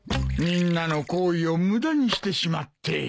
みんなの厚意を無駄にしてしまって。